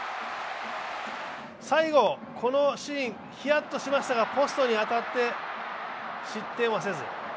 最後、このシーン、ひやっとしましたがポストに当たって失点はせず。